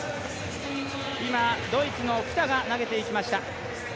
今、ドイツのフィタが投げていきました。